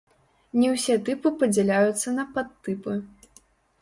Не ўсе тыпы падзяляюцца на падтыпы.